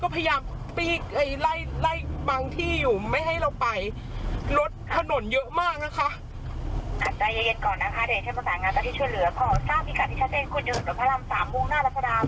ของสร้างพิกัดที่ชะเต้นคุณเดินหรือพระรำสามมุ่งหน้ารัฐศาสตรา